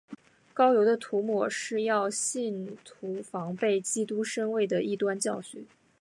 膏油的涂抹是要信徒防备基督身位的异端教训。